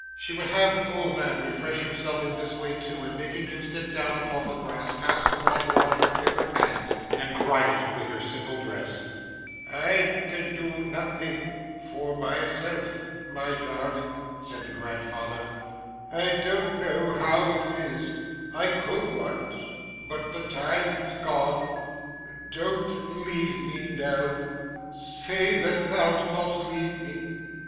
She would have the old man refresh himself in this way too, and making him sit down upon the grass, cast the water on him with her hands, and dried it with her simple dress. 'I can do nothing for myself, my darling,' said the grandfather; 'I don't know how it is, I could once, but the time's gone. Don't leave me, Nell; say that thou'lt not leave me.